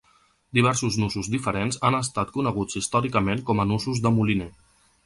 Diversos nusos diferents han estat coneguts històricament com a nusos de moliner.